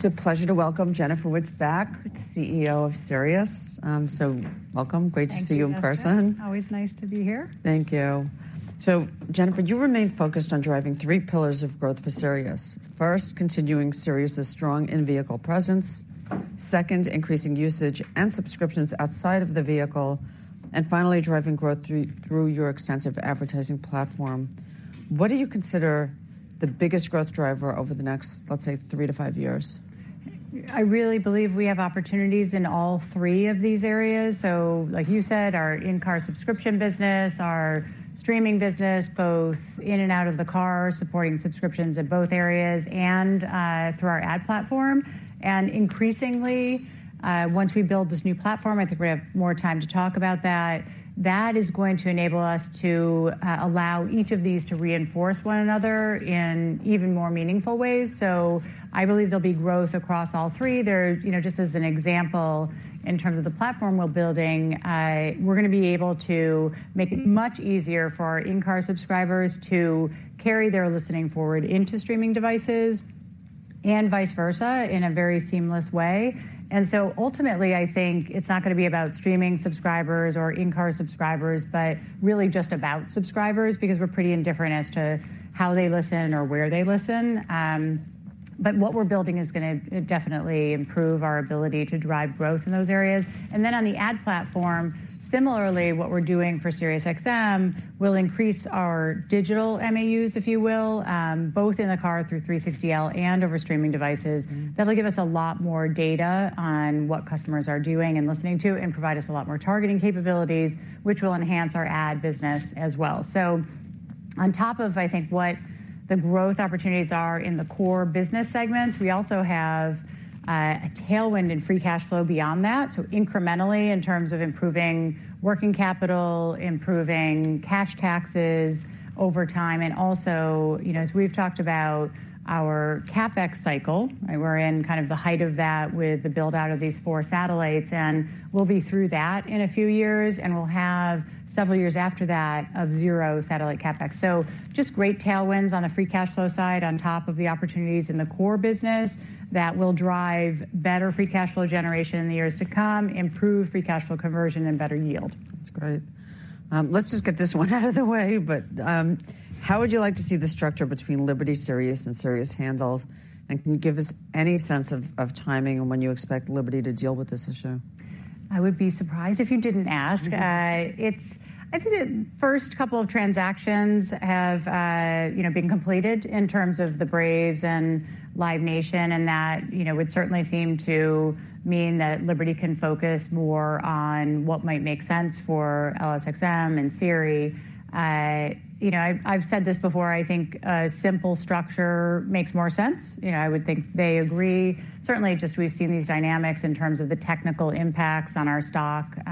It's a pleasure to welcome Jennifer Witz back, the CEO of Sirius. So welcome. Great to see you in person. Thank you, Jessica. Always nice to be here. Thank you. So Jennifer, you remain focused on driving three pillars of growth for Sirius. First, continuing Sirius's strong in-vehicle presence; second, increasing usage and subscriptions outside of the vehicle; and finally, driving growth through your extensive advertising platform. What do you consider the biggest growth driver over the next, let's say, three to five years? I really believe we have opportunities in all three of these areas. So like you said, our in-car subscription business, our streaming business, both in and out of the car, supporting subscriptions in both areas and through our ad platform. And increasingly, once we build this new platform, I think we have more time to talk about that. That is going to enable us to allow each of these to reinforce one another in even more meaningful ways. So I believe there'll be growth across all three. You know, just as an example, in terms of the platform we're building, we're gonna be able to make it much easier for our in-car subscribers to carry their listening forward into streaming devices and vice versa, in a very seamless way. So ultimately, I think it's not gonna be about streaming subscribers or in-car subscribers, but really just about subscribers, because we're pretty indifferent as to how they listen or where they listen. But what we're building is gonna definitely improve our ability to drive growth in those areas. And then on the ad platform, similarly, what we're doing for SiriusXM will increase our digital MAUs, if you will, both in the car through 360L and over streaming devices. That'll give us a lot more data on what customers are doing and listening to, and provide us a lot more targeting capabilities, which will enhance our ad business as well. So on top of, I think, what the growth opportunities are in the core business segments, we also have a tailwind in free cash flow beyond that. So incrementally, in terms of improving working capital, improving cash taxes over time, and also, you know, as we've talked about our CapEx cycle, and we're in kind of the height of that with the build-out of these four satellites, and we'll be through that in a few years, and we'll have several years after that of zero satellite CapEx. So just great tailwinds on the free cash flow side, on top of the opportunities in the core business that will drive better free cash flow generation in the years to come, improve free cash flow conversion and better yield. That's great. Let's just get this one out of the way, but how would you like to see the structure between Liberty, Sirius, and Sirius handoffs? And can you give us any sense of timing on when you expect Liberty to deal with this issue? I would be surprised if you didn't ask. Mm-hmm. I think the first couple of transactions have, you know, been completed in terms of the Braves and Live Nation, and that, you know, would certainly seem to mean that Liberty can focus more on what might make sense for LSXM and SIRI. You know, I've said this before, I think a simple structure makes more sense. You know, I would think they agree. Certainly, we've seen these dynamics in terms of the technical impacts on our stock, you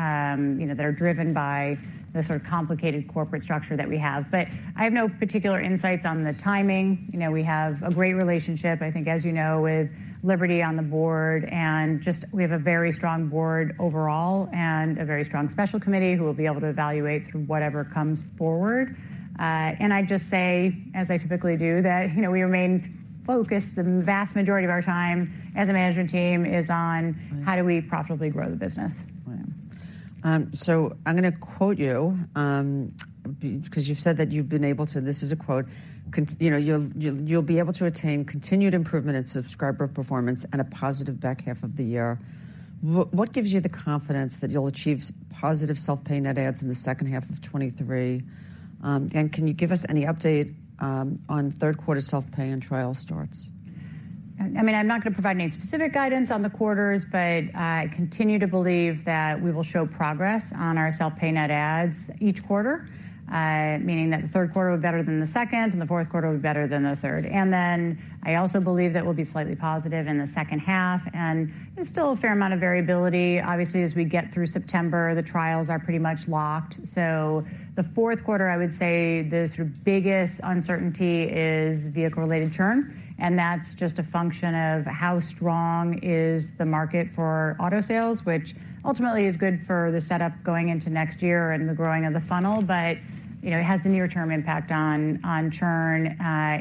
know, that are driven by the sort of complicated corporate structure that we have. But I have no particular insights on the timing. You know, we have a great relationship, I think, as you know, with Liberty on the board, and we have a very strong board overall and a very strong special committee who will be able to evaluate whatever comes forward. I'd just say, as I typically do, that, you know, we remain focused. The vast majority of our time as a management team is on- Right. How do we profitably grow the business? So I'm gonna quote you, because you've said that you've been able to... This is a quote: "Con-- You know, you'll, you'll, you'll be able to attain continued improvement in subscriber performance and a positive back half of the year." What gives you the confidence that you'll achieve positive self-pay net adds in the second half of 2023? And can you give us any update on third quarter self-pay and trial starts? I mean, I'm not going to provide any specific guidance on the quarters, but I continue to believe that we will show progress on our self-pay net adds each quarter. Meaning that the third quarter will be better than the second, and the fourth quarter will be better than the third. And then I also believe that we'll be slightly positive in the second half, and there's still a fair amount of variability. Obviously, as we get through September, the trials are pretty much locked. So the fourth quarter, I would say, the sort of biggest uncertainty is vehicle-related churn, and that's just a function of how strong is the market for auto sales, which ultimately is good for the setup going into next year and the growing of the funnel. But, you know, it has the near-term impact on churn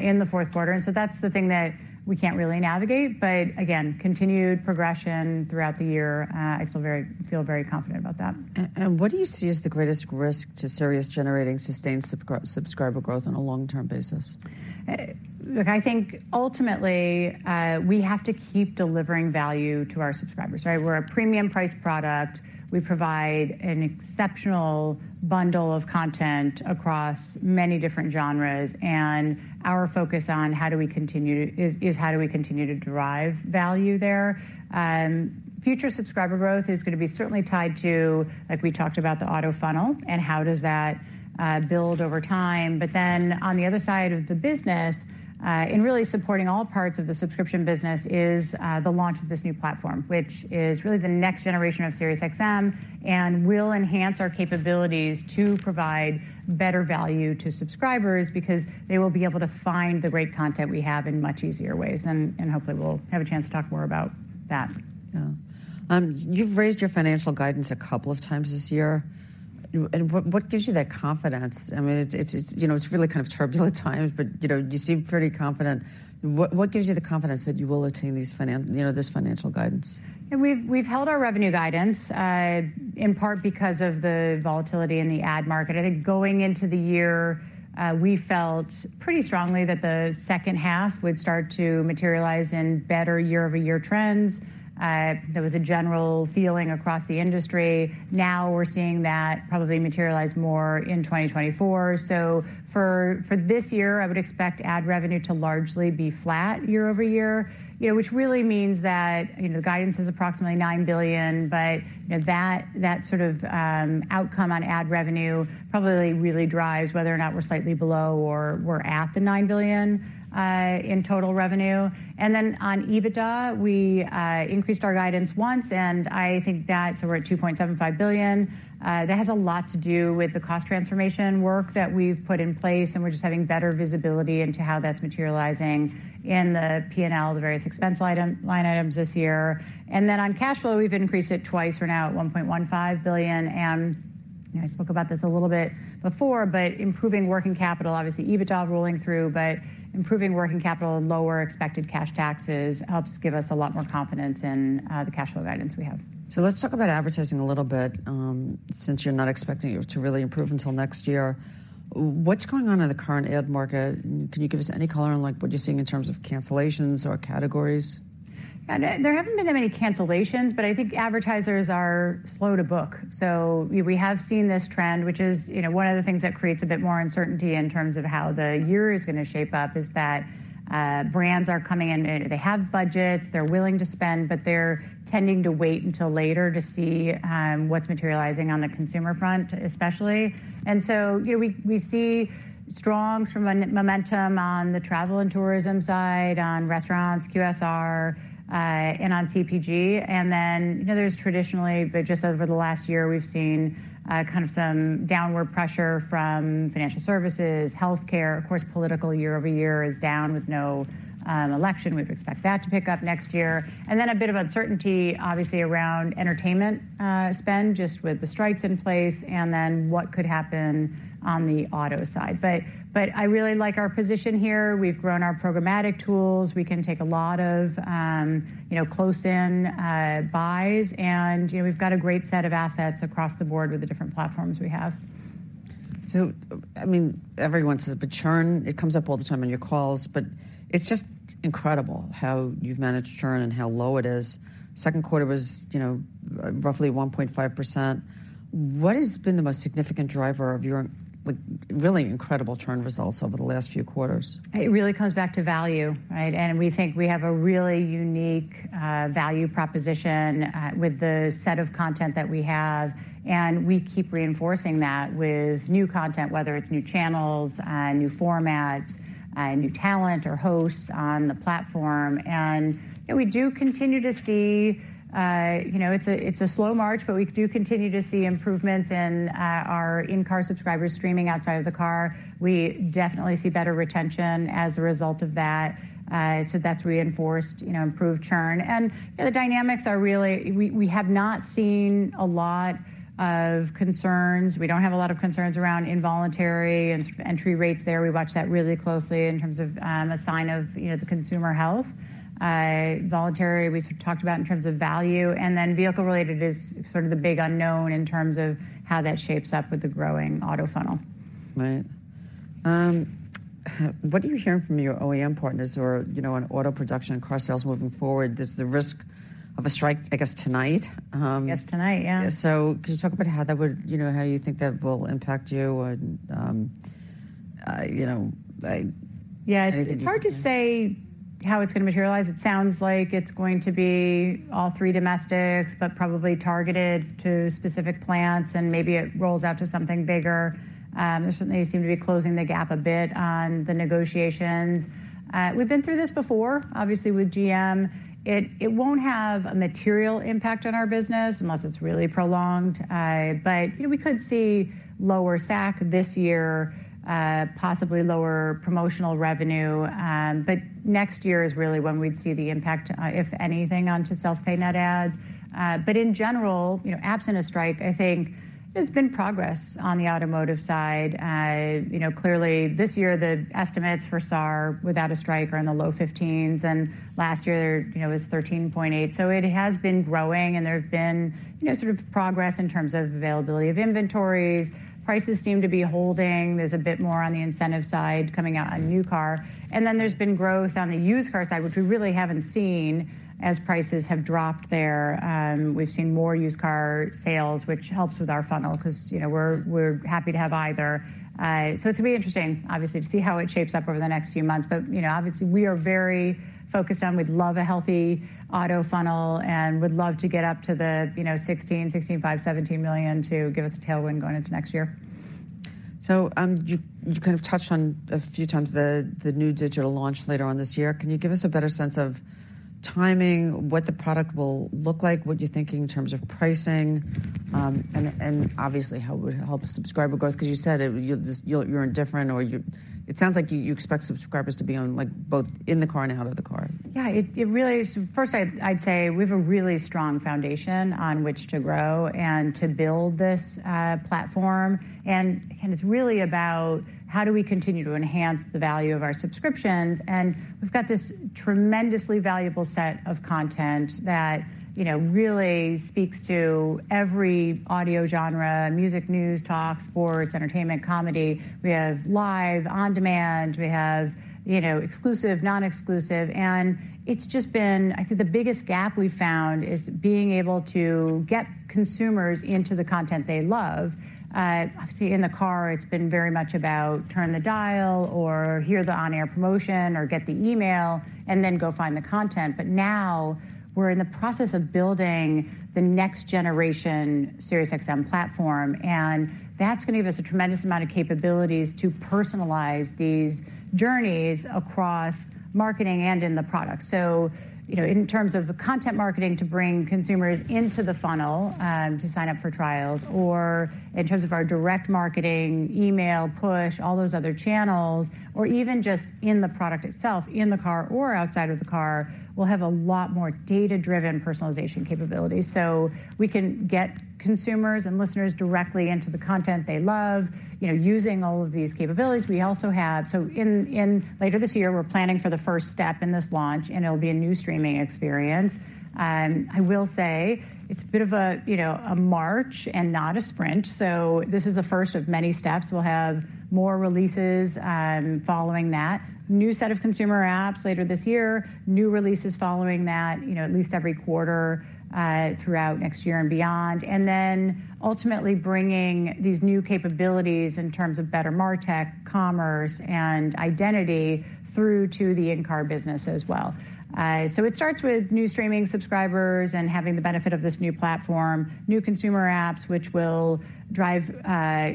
in the fourth quarter. And so that's the thing that we can't really navigate. But again, continued progression throughout the year. I still feel very confident about that. What do you see as the greatest risk to Sirius generating sustained subscriber growth on a long-term basis? Look, I think ultimately, we have to keep delivering value to our subscribers, right? We're a premium price product. We provide an exceptional bundle of content across many different genres, and our focus on how do we continue is how do we continue to drive value there. Future subscriber growth is going to be certainly tied to, like we talked about, the auto funnel and how does that build over time. But then on the other side of the business, in really supporting all parts of the subscription business, is the launch of this new platform, which is really the next generation of SiriusXM and will enhance our capabilities to provide better value to subscribers because they will be able to find the great content we have in much easier ways, and hopefully we'll have a chance to talk more about that. Yeah. You've raised your financial guidance a couple of times this year. And what gives you that confidence? I mean, it's, you know, it's really kind of turbulent times, but, you know, you seem pretty confident. What gives you the confidence that you will attain these, you know, this financial guidance? We've held our revenue guidance, in part because of the volatility in the ad market. I think going into the year, we felt pretty strongly that the second half would start to materialize in better year-over-year trends. There was a general feeling across the industry. Now we're seeing that probably materialize more in 2024. For this year, I would expect ad revenue to largely be flat year-over-year. You know, which really means that, you know, guidance is approximately $9 billion, but, you know, that sort of outcome on ad revenue probably really drives whether or not we're slightly below or we're at the $9 billion in total revenue. Then on EBITDA, we increased our guidance once, and I think that's so we're at $2.75 billion. That has a lot to do with the cost transformation work that we've put in place, and we're just having better visibility into how that's materializing in the P&L, the various expense item, line items this year. And then on cash flow, we've increased it twice. We're now at $1.15 billion, and, you know, I spoke about this a little bit before, but improving working capital, obviously, EBITDA rolling through, but improving working capital and lower expected cash taxes helps give us a lot more confidence in the cash flow guidance we have. So let's talk about advertising a little bit, since you're not expecting it to really improve until next year. What's going on in the current ad market? Can you give us any color on, like, what you're seeing in terms of cancellations or categories? Yeah. There haven't been that many cancellations, but I think advertisers are slow to book. So we have seen this trend, which is, you know, one of the things that creates a bit more uncertainty in terms of how the year is going to shape up, is that brands are coming in, they have budgets, they're willing to spend, but they're tending to wait until later to see what's materializing on the consumer front, especially. And so, you know, we see strong momentum on the travel and tourism side, on restaurants, QSR, and on CPG. And then, you know, there's traditionally, but just over the last year, we've seen kind of some downward pressure from financial services, healthcare. Of course, political year-over-year is down with no election. We'd expect that to pick up next year. Then a bit of uncertainty, obviously, around entertainment spend, just with the strikes in place and then what could happen on the auto side. But I really like our position here. We've grown our programmatic tools. We can take a lot of, you know, close in buys, and, you know, we've got a great set of assets across the board with the different platforms we have. So, I mean, everyone says, but churn, it comes up all the time on your calls, but it's just incredible how you've managed churn and how low it is. Second quarter was, you know, roughly 1.5%. What has been the most significant driver of your, like, really incredible churn results over the last few quarters? It really comes back to value, right? And we think we have a really unique value proposition with the set of content that we have, and we keep reinforcing that with new content, whether it's new channels, new formats, new talent or hosts on the platform. And, you know, we do continue to see, you know, it's a slow march, but we do continue to see improvements in our in-car subscribers streaming outside of the car. We definitely see better retention as a result of that. So that's reinforced, you know, improved churn. And, you know, the dynamics are really... We have not seen a lot of concerns. We don't have a lot of concerns around involuntary and entry rates there. We watch that really closely in terms of a sign of, you know, the consumer health. Voluntary, we talked about in terms of value, and then vehicle-related is sort of the big unknown in terms of how that shapes up with the growing auto funnel. Right. What are you hearing from your OEM partners or, you know, on auto production and car sales moving forward? There's the risk of a strike, I guess, tonight. Yes, tonight, yeah. So could you talk about how that would, you know, how you think that will impact you and, you know, like- Yeah. Anything- It's hard to say how it's going to materialize. It sounds like it's going to be all three domestics, but probably targeted to specific plants, and maybe it rolls out to something bigger. They certainly seem to be closing the gap a bit on the negotiations. We've been through this before, obviously, with GM. It won't have a material impact on our business unless it's really prolonged. But, you know, we could see lower SAC this year, possibly lower promotional revenue, but next year is really when we'd see the impact, if anything, onto self-pay net adds. But in general, you know, absent a strike, I think there's been progress on the automotive side. You know, clearly, this year, the estimates for SAR without a strike are in the low 15s, and last year, you know, it was 13.8. So it has been growing, and there have been, you know, sort of progress in terms of availability of inventories. Prices seem to be holding. There's a bit more on the incentive side coming out on new car, and then there's been growth on the used car side, which we really haven't seen as prices have dropped there. We've seen more used car sales, which helps with our funnel because, you know, we're happy to have either. So it'll be interesting, obviously, to see how it shapes up over the next few months, but, you know, obviously, we are very focused on we'd love a healthy auto funnel and would love to get up to the, you know, 16, 16.5, 17 million to give us a tailwind going into next year.... So, you kind of touched on a few times the new digital launch later on this year. Can you give us a better sense of timing, what the product will look like, what you're thinking in terms of pricing, and obviously, how it would help subscriber growth? Because you said you're indifferent, or it sounds like you expect subscribers to be on, like, both in the car and out of the car. Yeah, it really is. First, I'd say we have a really strong foundation on which to grow and to build this platform. And it's really about how do we continue to enhance the value of our subscriptions? And we've got this tremendously valuable set of content that, you know, really speaks to every audio genre, music, news, talks, sports, entertainment, comedy. We have live, on demand. We have, you know, exclusive, non-exclusive, and it's just been. I think the biggest gap we found is being able to get consumers into the content they love. Obviously, in the car, it's been very much about turn the dial or hear the on-air promotion or get the email and then go find the content. But now, we're in the process of building the next generation SiriusXM platform, and that's going to give us a tremendous amount of capabilities to personalize these journeys across marketing and in the product. So you know, in terms of the content marketing, to bring consumers into the funnel, to sign up for trials, or in terms of our direct marketing, email, push, all those other channels, or even just in the product itself, in the car or outside of the car, we'll have a lot more data-driven personalization capabilities. So we can get consumers and listeners directly into the content they love, you know, using all of these capabilities. We also have so in later this year, we're planning for the first step in this launch, and it'll be a new streaming experience. I will say it's a bit of a, you know, a march and not a sprint. So this is the first of many steps. We'll have more releases following that. New set of consumer apps later this year, new releases following that, you know, at least every quarter throughout next year and beyond. And then ultimately bringing these new capabilities in terms of better martech, commerce, and identity through to the in-car business as well. So it starts with new streaming subscribers and having the benefit of this new platform, new consumer apps, which will drive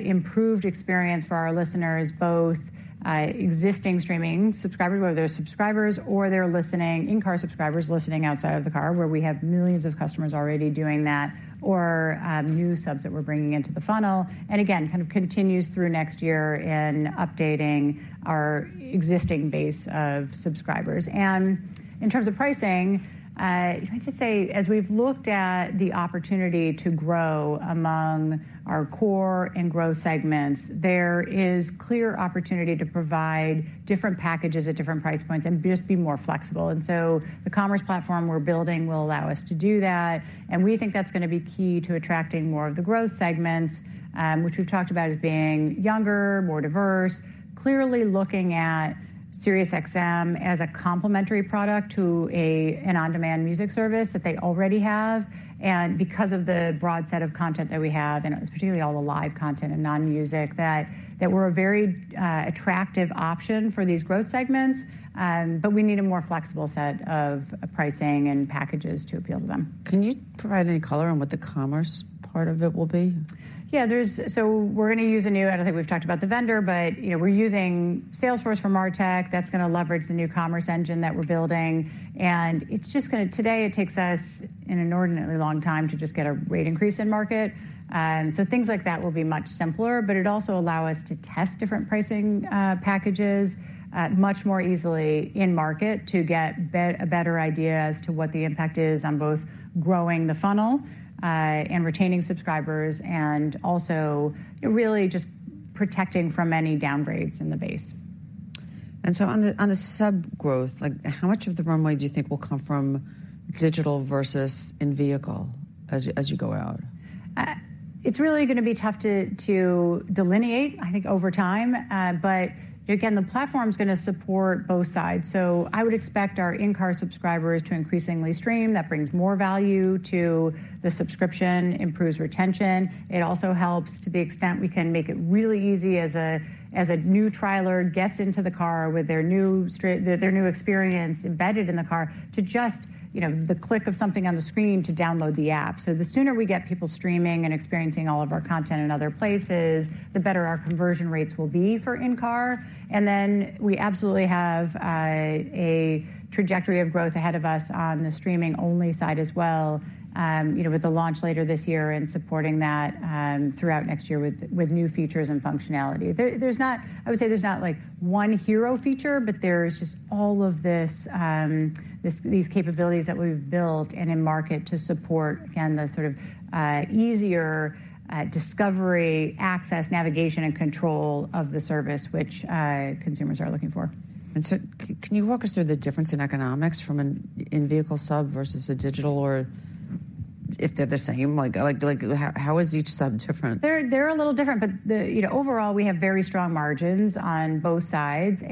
improved experience for our listeners, both existing streaming subscribers, whether they're subscribers or they're listening, in-car subscribers listening outside of the car, where we have millions of customers already doing that, or new subs that we're bringing into the funnel. Again, kind of continues through next year in updating our existing base of subscribers. In terms of pricing, I'd just say, as we've looked at the opportunity to grow among our core and growth segments, there is clear opportunity to provide different packages at different price points and just be more flexible. So the commerce platform we're building will allow us to do that, and we think that's going to be key to attracting more of the growth segments, which we've talked about as being younger, more diverse, clearly looking at SiriusXM as a complementary product to an on-demand music service that they already have. Because of the broad set of content that we have, and it was particularly all the live content and non-music that we're a very attractive option for these growth segments, but we need a more flexible set of pricing and packages to appeal to them. Can you provide any color on what the commerce part of it will be? Yeah, there's... So we're going to use a new. I don't think we've talked about the vendor, but, you know, we're using Salesforce for martech. That's going to leverage the new commerce engine that we're building. And it's just gonna. Today, it takes us an inordinately long time to just get a rate increase in market. So things like that will be much simpler, but it'll also allow us to test different pricing packages much more easily in market to get a better idea as to what the impact is on both growing the funnel and retaining subscribers, and also really just protecting from any downgrades in the base. And so on the sub growth, like, how much of the runway do you think will come from digital versus in-vehicle as you go out? It's really going to be tough to delineate, I think, over time. But again, the platform's going to support both sides. So I would expect our in-car subscribers to increasingly stream. That brings more value to the subscription, improves retention. It also helps to the extent we can make it really easy as a new trialer gets into the car with their new experience embedded in the car, to just, you know, the click of something on the screen to download the app. So the sooner we get people streaming and experiencing all of our content in other places, the better our conversion rates will be for in-car. And then we absolutely have a trajectory of growth ahead of us on the streaming-only side as well, you know, with the launch later this year and supporting that throughout next year with new features and functionality. There's not. I would say there's not, like, one hero feature, but there's just all of this, these capabilities that we've built and in market to support, again, the sort of easier discovery, access, navigation, and control of the service which consumers are looking for. Can you walk us through the difference in economics from an in-vehicle sub versus a digital if they're the same, like, how is each sub different? They're a little different, but, you know, overall, we have very strong margins on both sides.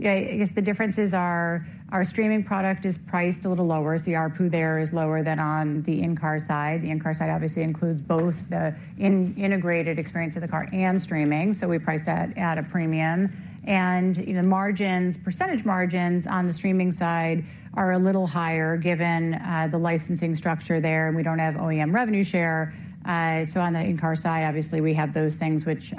Yeah, I guess the differences are, our streaming product is priced a little lower, so the ARPU there is lower than on the in-car side. The in-car side obviously includes both the integrated experience of the car and streaming, so we price that at a premium. You know, margins, percentage margins on the streaming side are a little higher, given the licensing structure there, and we don't have OEM revenue share. So on the in-car side, obviously, we have those things which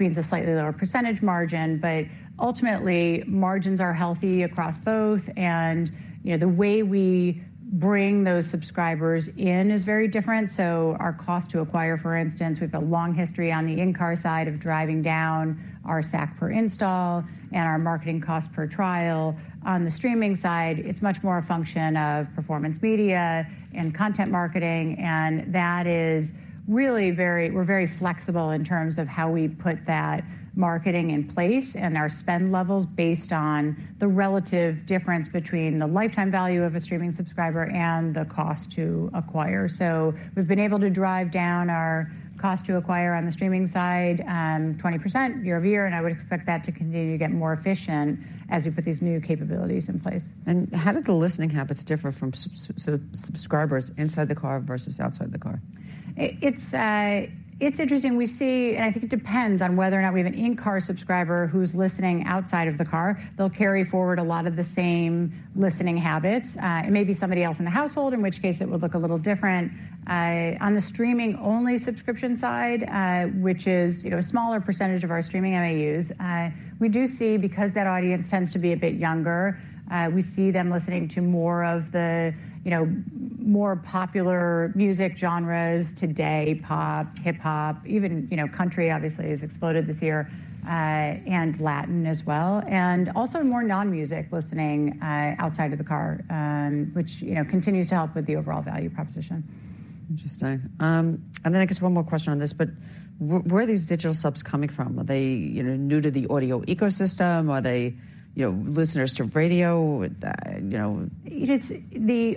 means a slightly lower percentage margin. But ultimately, margins are healthy across both, and, you know, the way we bring those subscribers in is very different. So our cost to acquire, for instance, we have a long history on the in-car side of driving down our SAC per install and our marketing cost per trial. On the streaming side, it's much more a function of performance media and content marketing, and that is really very flexible in terms of how we put that marketing in place and our spend levels based on the relative difference between the lifetime value of a streaming subscriber and the cost to acquire. So we've been able to drive down our cost to acquire on the streaming side, 20% year-over-year, and I would expect that to continue to get more efficient as we put these new capabilities in place. How do the listening habits differ from subscribers inside the car versus outside the car? It's interesting. We see, and I think it depends on whether or not we have an in-car subscriber who's listening outside of the car. They'll carry forward a lot of the same listening habits. It may be somebody else in the household, in which case it would look a little different. On the streaming-only subscription side, which is, you know, a smaller percentage of our streaming MAUs, we do see, because that audience tends to be a bit younger, we see them listening to more of the, you know, more popular music genres today, pop, hip-hop, even, you know, country, obviously, has exploded this year, and Latin as well, and also more non-music listening, outside of the car, which, you know, continues to help with the overall value proposition. Interesting. And then I guess one more question on this, but where are these digital subs coming from? Are they, you know, new to the audio ecosystem? Are they, you know, listeners to radio? You know...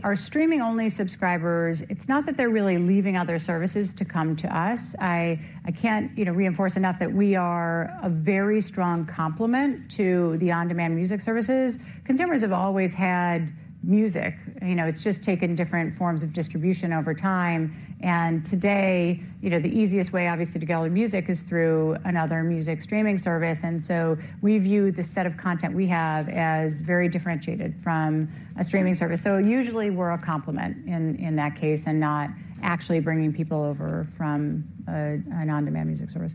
Our streaming-only subscribers, it's not that they're really leaving other services to come to us. I can't, you know, reinforce enough that we are a very strong complement to the on-demand music services. Consumers have always had music, you know, it's just taken different forms of distribution over time. And today, you know, the easiest way, obviously, to get a little music is through another music streaming service. And so we view the set of content we have as very differentiated from a streaming service. So usually, we're a complement in that case, and not actually bringing people over from an on-demand music service.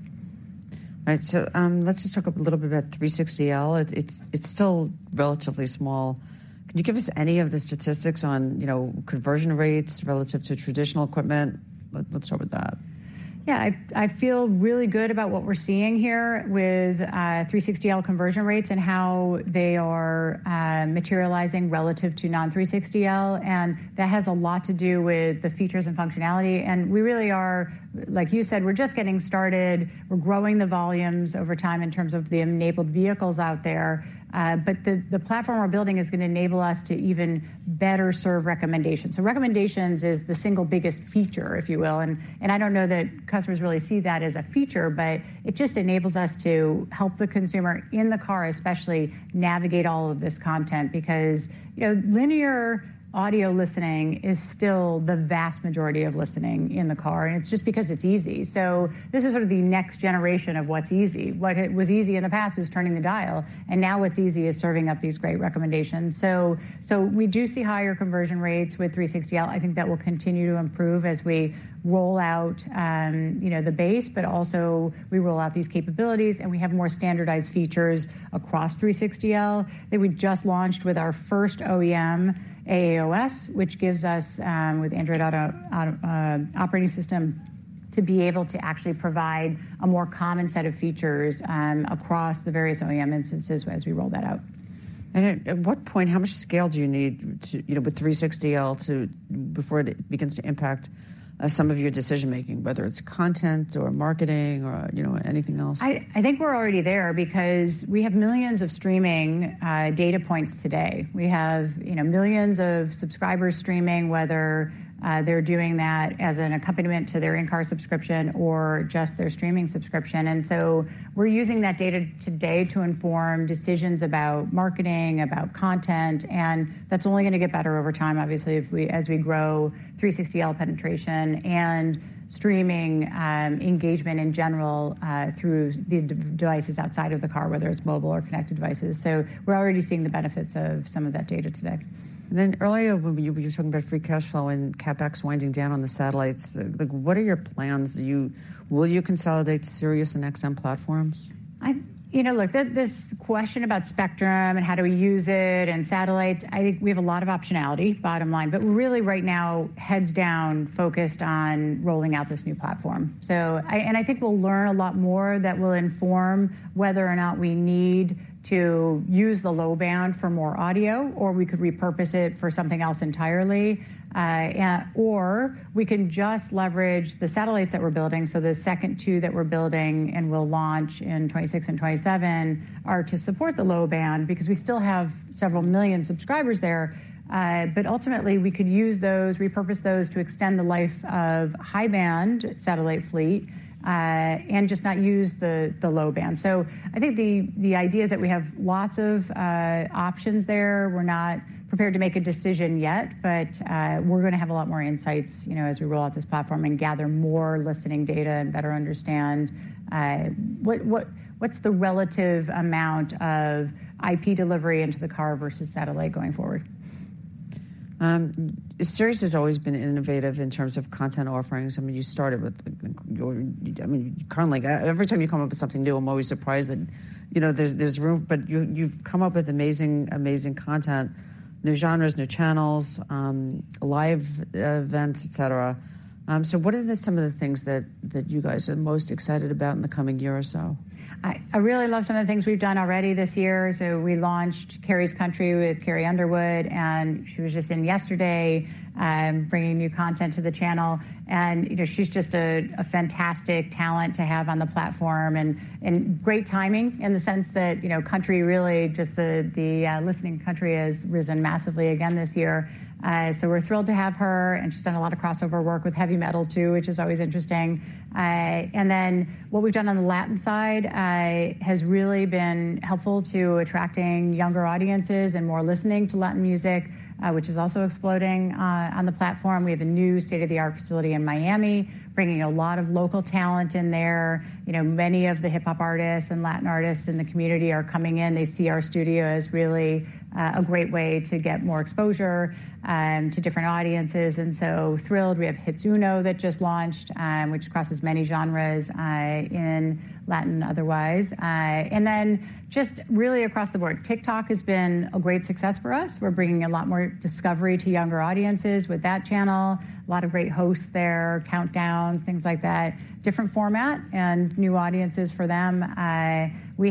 Right. So, let's just talk a little bit about 360L. It's, it's still relatively small. Can you give us any of the statistics on, you know, conversion rates relative to traditional equipment? Let's start with that. Yeah, I, I feel really good about what we're seeing here with 360L conversion rates and how they are materializing relative to non-360L, and that has a lot to do with the features and functionality. We really are, like you said, we're just getting started. We're growing the volumes over time in terms of the enabled vehicles out there, but the platform we're building is going to enable us to even better serve recommendations. So recommendations is the single biggest feature, if you will, and I don't know that customers really see that as a feature, but it just enables us to help the consumer in the car, especially navigate all of this content. Because, you know, linear audio listening is still the vast majority of listening in the car, and it's just because it's easy. So this is sort of the next generation of what's easy. What was easy in the past was turning the dial, and now what's easy is serving up these great recommendations. So, so we do see higher conversion rates with 360L. I think that will continue to improve as we roll out, you know, the base, but also we roll out these capabilities, and we have more standardized features across 360L that we just launched with our first OEM, AAOS, which gives us, with Android Automotive operating system, to be able to actually provide a more common set of features, across the various OEM instances as we roll that out. At what point, how much scale do you need to, you know, with 360L to, before it begins to impact some of your decision making, whether it's content or marketing or, you know, anything else? I think we're already there because we have millions of streaming data points today. We have, you know, millions of subscribers streaming, whether they're doing that as an accompaniment to their in-car subscription or just their streaming subscription. And so we're using that data today to inform decisions about marketing, about content, and that's only going to get better over time, obviously, if we as we grow 360L penetration and streaming engagement in general through the devices outside of the car, whether it's mobile or connected devices. So we're already seeing the benefits of some of that data today. And then earlier, you were talking about free cash flow and CapEx winding down on the satellites. Like, what are your plans? Will you consolidate Sirius and XM platforms? You know, look, this question about spectrum and how do we use it and satellites, I think we have a lot of optionality, bottom line, but really right now, heads down, focused on rolling out this new platform. So I... And I think we'll learn a lot more that will inform whether or not we need to use the low band for more audio, or we could repurpose it for something else entirely. Yeah, or we can just leverage the satellites that we're building. So the second two that we're building and will launch in 2026 and 2027 are to support the low band because we still have several million subscribers there. But ultimately, we could use those, repurpose those to extend the life of high-band satellite fleet, and just not use the low band. So I think the idea is that we have lots of options there. We're not prepared to make a decision yet, but we're going to have a lot more insights, you know, as we roll out this platform and gather more listening data and better understand what's the relative amount of IP delivery into the car versus satellite going forward. ... Sirius has always been innovative in terms of content offerings. I mean, you started with, like, your, I mean, currently, every time you come up with something new, I'm always surprised that, you know, there's, there's room. But you, you've come up with amazing, amazing content, new genres, new channels, live events, et cetera. So what are some of the things that, that you guys are most excited about in the coming year or so? I really love some of the things we've done already this year. So we launched Carrie's Country with Carrie Underwood, and she was just in yesterday, bringing new content to the channel. You know, she's just a fantastic talent to have on the platform, and great timing in the sense that, you know, country really just listening country has risen massively again this year. So we're thrilled to have her, and she's done a lot of crossover work with heavy metal, too, which is always interesting. And then what we've done on the Latin side has really been helpful to attracting younger audiences and more listening to Latin music, which is also exploding on the platform. We have a new state-of-the-art facility in Miami, bringing a lot of local talent in there. You know, many of the hip-hop artists and Latin artists in the community are coming in. They see our studio as really a great way to get more exposure to different audiences, and so thrilled. We have Hits Uno that just launched, which crosses many genres in Latin otherwise. And then just really across the board, TikTok has been a great success for us. We're bringing a lot more discovery to younger audiences with that channel. A lot of great hosts there, countdown, things like that. Different format and new audiences for them. We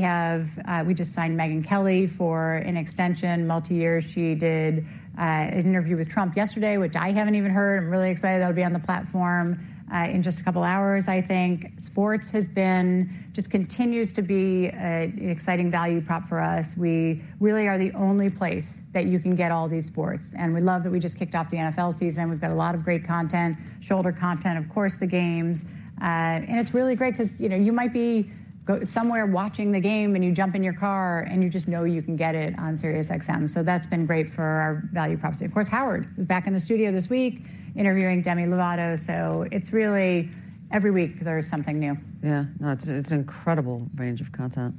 just signed Megyn Kelly for an extension, multi-year. She did an interview with Trump yesterday, which I haven't even heard. I'm really excited that'll be on the platform in just a couple of hours, I think. Sports has been, just continues to be a, an exciting value prop for us. We really are the only place that you can get all these sports, and we love that we just kicked off the NFL season. We've got a lot of great content, shoulder content, of course, the games. And it's really great because, you know, you might be going somewhere watching the game, and you jump in your car, and you just know you can get it on SiriusXM. So that's been great for our value proposition. Of course, Howard was back in the studio this week interviewing Demi Lovato. So it's really every week, there's something new. Yeah. No, it's incredible range of content.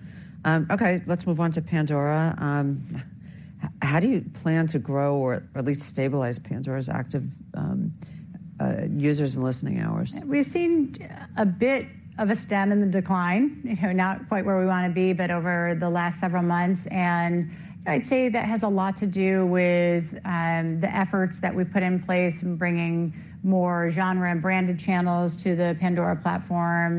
Okay, let's move on to Pandora. How do you plan to grow or at least stabilize Pandora's active users and listening hours? We've seen a bit of a stemming in the decline, you know, not quite where we want to be, but over the last several months, and I'd say that has a lot to do with the efforts that we've put in place in bringing more genre and branded channels to the Pandora platform,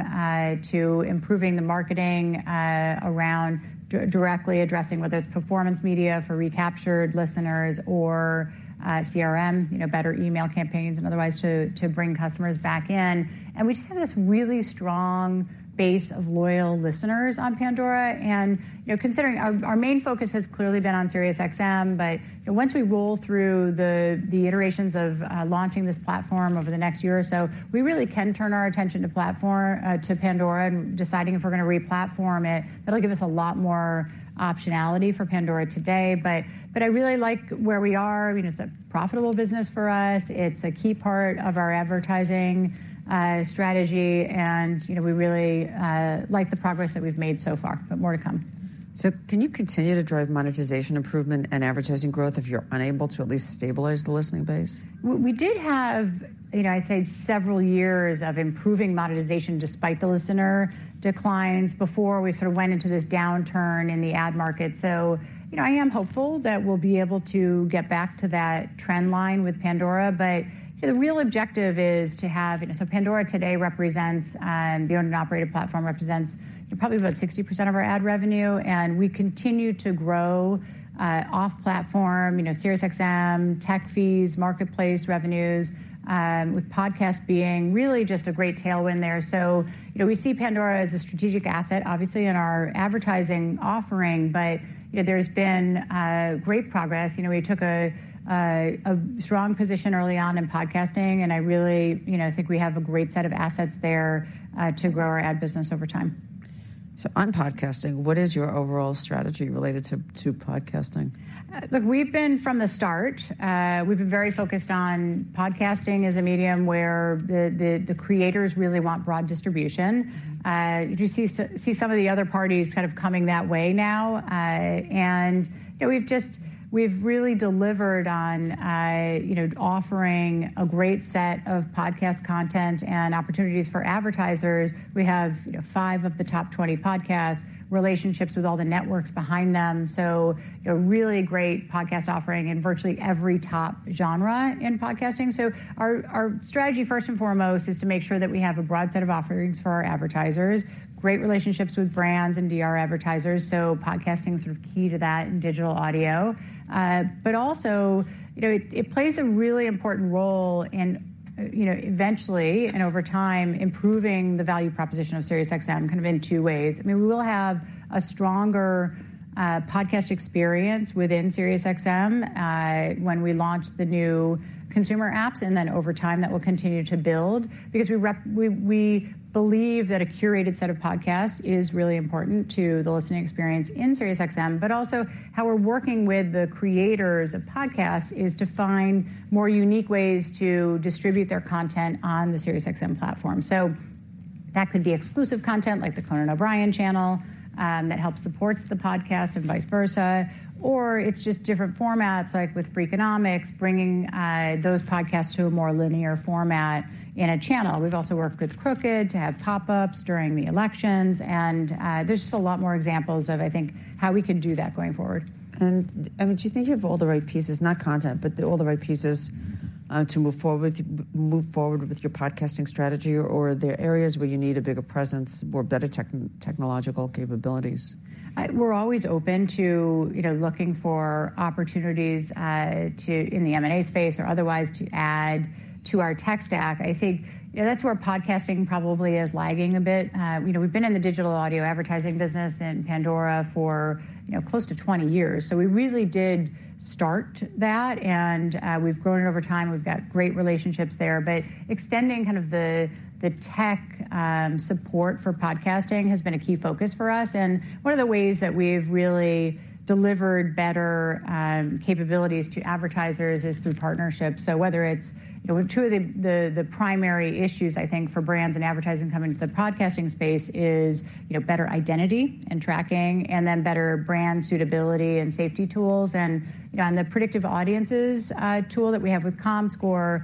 to improving the marketing around directly addressing, whether it's performance media for recaptured listeners or CRM, you know, better email campaigns and otherwise, to bring customers back in. We just have this really strong base of loyal listeners on Pandora and, you know, considering our main focus has clearly been on SiriusXM, but once we roll through the iterations of launching this platform over the next year or so, we really can turn our attention to platform to Pandora and deciding if we're going to re-platform it. That'll give us a lot more optionality for Pandora today, but I really like where we are. I mean, it's a profitable business for us. It's a key part of our advertising strategy, and, you know, we really like the progress that we've made so far, but more to come. Can you continue to drive monetization improvement and advertising growth if you're unable to at least stabilize the listening base? We did have, you know, I'd say several years of improving monetization despite the listener declines before we sort of went into this downturn in the ad market. So, you know, I am hopeful that we'll be able to get back to that trend line with Pandora, but the real objective is to have... So Pandora today represents, the owned and operated platform represents probably about 60% of our ad revenue, and we continue to grow, off-platform, you know, SiriusXM, tech fees, marketplace revenues, with podcast being really just a great tailwind there. So, you know, we see Pandora as a strategic asset, obviously, in our advertising offering, but, you know, there's been, great progress. You know, we took a strong position early on in podcasting, and I really, you know, think we have a great set of assets there to grow our ad business over time. On podcasting, what is your overall strategy related to podcasting? Look, we've been, from the start, we've been very focused on podcasting as a medium where the creators really want broad distribution. You see some of the other parties kind of coming that way now. And, you know, we've really delivered on, you know, offering a great set of podcast content and opportunities for advertisers. We have, you know, five of the top twenty podcast relationships with all the networks behind them, so, you know, really great podcast offering in virtually every top genre in podcasting. So our strategy, first and foremost, is to make sure that we have a broad set of offerings for our advertisers, great relationships with brands and DR advertisers, so podcasting is sort of key to that in digital audio. But also, you know, it plays a really important role in, you know, eventually, and over time, improving the value proposition of SiriusXM kind of in two ways. I mean, we will have a stronger podcast experience within SiriusXM when we launch the new consumer apps, and then over time, that will continue to build. Because we believe that a curated set of podcasts is really important to the listening experience in SiriusXM, but also how we're working with the creators of podcasts is to find more unique ways to distribute their content on the SiriusXM platform. So, that could be exclusive content, like the Conan O'Brien channel, that helps supports the podcast and vice versa, or it's just different formats, like with Freakonomics, bringing those podcasts to a more linear format in a channel. We've also worked with Crooked to have pop-ups during the elections, and, there's just a lot more examples of, I think, how we can do that going forward. I mean, do you think you have all the right pieces, not content, but all the right pieces, to move forward with your podcasting strategy, or are there areas where you need a bigger presence or better technological capabilities? We're always open to, you know, looking for opportunities to in the M&A space or otherwise, to add to our tech stack. I think, you know, that's where podcasting probably is lagging a bit. You know, we've been in the digital audio advertising business in Pandora for, you know, close to 20 years, so we really did start that, and we've grown it over time. We've got great relationships there. But extending kind of the tech support for podcasting has been a key focus for us, and one of the ways that we've really delivered better capabilities to advertisers is through partnerships. So whether it's, you know, two of the primary issues, I think, for brands and advertising coming to the podcasting space is, you know, better identity and tracking and then better brand suitability and safety tools. You know, on the predictive audiences tool that we have with Comscore,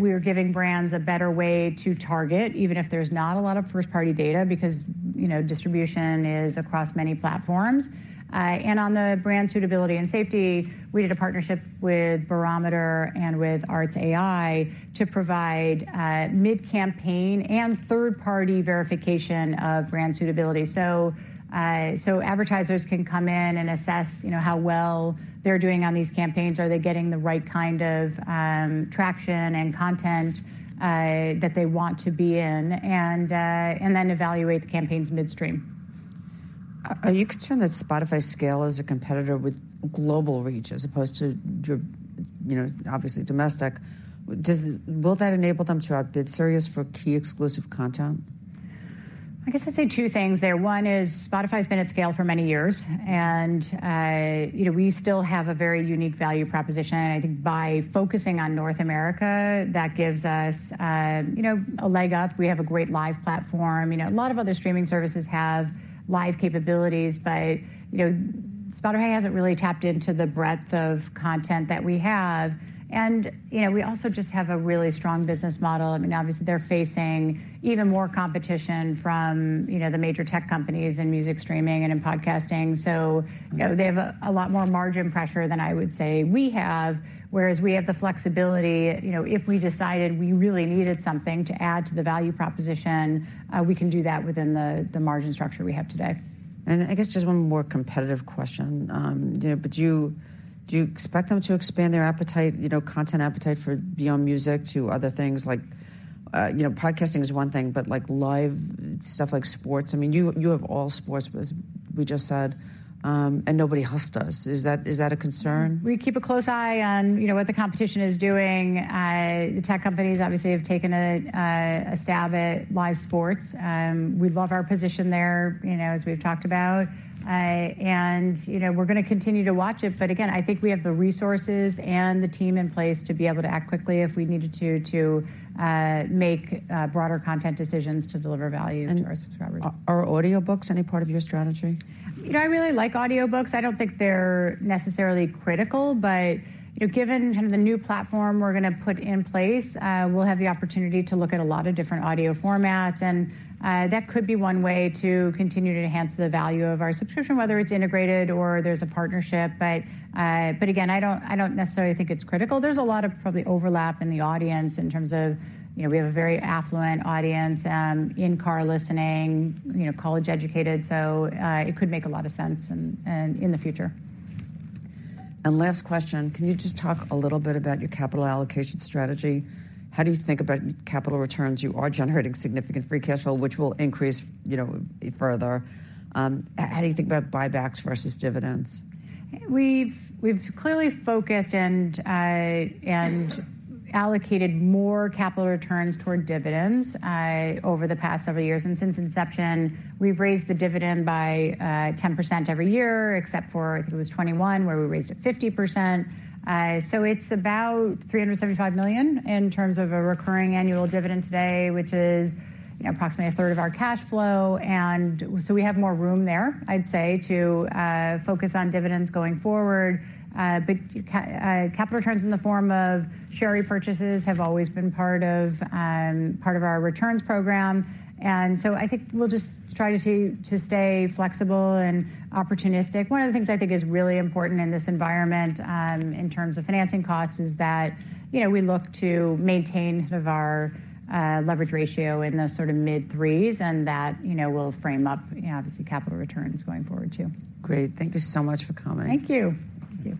we are giving brands a better way to target, even if there's not a lot of first-party data, because, you know, distribution is across many platforms. On the brand suitability and safety, we did a partnership with Barometer and with ArtsAI to provide mid-campaign and third-party verification of brand suitability. So, advertisers can come in and assess, you know, how well they're doing on these campaigns. Are they getting the right kind of traction and content that they want to be in, and then evaluate the campaigns midstream? You could turn that Spotify scale is a competitor with global reach as opposed to just, you know, obviously domestic. Will that enable them to outbid Sirius for key exclusive content? I guess I'd say two things there. One is Spotify's been at scale for many years, and, you know, we still have a very unique value proposition. And I think by focusing on North America, that gives us, you know, a leg up. We have a great live platform. You know, a lot of other streaming services have live capabilities, but, you know, Spotify hasn't really tapped into the breadth of content that we have. And, you know, we also just have a really strong business model. I mean, obviously, they're facing even more competition from, you know, the major tech companies in music streaming and in podcasting. So, you know, they have a lot more margin pressure than I would say we have, whereas we have the flexibility, you know, if we decided we really needed something to add to the value proposition, we can do that within the margin structure we have today. I guess just one more competitive question. You know, but do you, do you expect them to expand their appetite, you know, content appetite for beyond music to other things like, you know, podcasting is one thing, but, like, live stuff like sports? I mean, you, you have all sports, as we just said, and nobody else does. Is that, is that a concern? We keep a close eye on, you know, what the competition is doing. The tech companies obviously have taken a stab at live sports. We love our position there, you know, as we've talked about. You know, we're gonna continue to watch it, but again, I think we have the resources and the team in place to be able to act quickly if we needed to, to make broader content decisions to deliver value to our subscribers. Are audiobooks any part of your strategy? You know, I really like audiobooks. I don't think they're necessarily critical, but, you know, given kind of the new platform we're gonna put in place, we'll have the opportunity to look at a lot of different audio formats, and, that could be one way to continue to enhance the value of our subscription, whether it's integrated or there's a partnership. But, but again, I don't, I don't necessarily think it's critical. There's a lot of probably overlap in the audience in terms of, you know, we have a very affluent audience, in-car listening, you know, college-educated, so, it could make a lot of sense and, and in the future. Last question, can you just talk a little bit about your capital allocation strategy? How do you think about capital returns? You are generating significant free cash flow, which will increase, you know, further. How do you think about buybacks versus dividends? We've clearly focused and allocated more capital returns toward dividends over the past several years, and since inception, we've raised the dividend by 10% every year, except for, I think it was 2021, where we raised it 50%. So it's about $375 million in terms of a recurring annual dividend today, which is, you know, approximately a third of our cash flow, and so we have more room there, I'd say, to focus on dividends going forward. But capital returns in the form of share repurchases have always been part of, part of our returns program, and so I think we'll just try to, to stay flexible and opportunistic. One of the things I think is really important in this environment, in terms of financing costs, is that, you know, we look to maintain sort of our leverage ratio in the sort of mid-threes, and that, you know, will frame up, you know, obviously, capital returns going forward, too. Great. Thank you so much for coming. Thank you. Thank you.